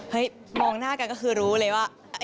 มองหน้ากันก็คือรู้เลยว่า